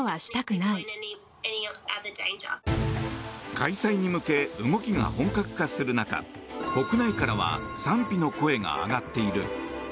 開催に向け動きが本格化する中国内からは賛否の声が上がっている。